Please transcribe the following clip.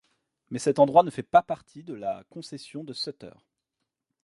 Mais cet endroit ne fait pas partie de la concession de Sutter.